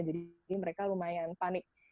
jadi mereka lumayan panik